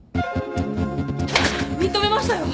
認めましたよ。